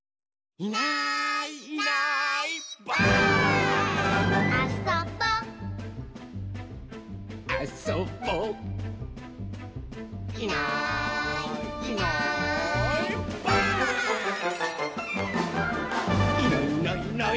「いないいないいない」